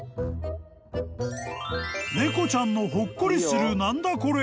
［猫ちゃんのほっこりする何だコレ！？